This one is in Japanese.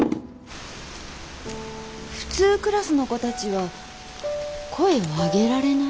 普通クラスの子たちは声をあげられない？